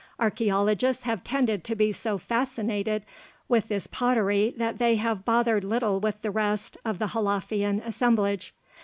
Archeologists have tended to be so fascinated with this pottery that they have bothered little with the rest of the Halafian assemblage.